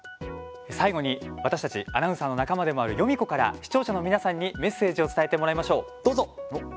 最後に、私たちアナウンサーの仲間でもあるヨミ子から視聴者の皆さんにメッセージを伝えてもらいましょう、どうぞ。